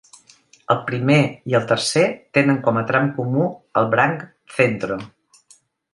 El primer i el tercer tenen com a tram comú el branc Centro.